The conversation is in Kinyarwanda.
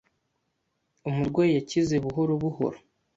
Umurwayi yakize buhoro buhoro. )